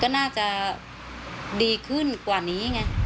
ก็น่าจะดีขึ้นกว่านี้ไง